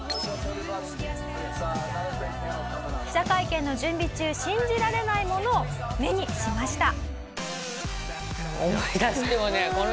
「記者会見の準備中信じられないものを目にしました」